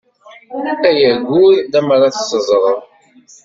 Ay aggur lemmer ad tt-teẓṛeḍ.